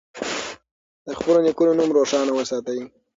د خپلو نیکونو نوم روښانه وساتئ.